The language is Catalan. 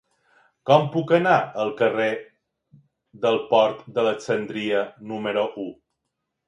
Com puc anar al carrer del Port d'Alexandria número u?